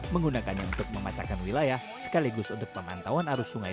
menggunakannya untuk mematakan wilayah sekaligus untuk pemantauan arus sungai